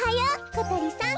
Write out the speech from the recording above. ことりさん。